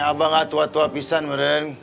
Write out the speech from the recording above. abah nggak tua tua pisan meren